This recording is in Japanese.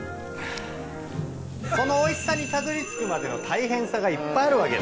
このおいしさにたどり着くまでの大変さがいっぱいあるわけよ。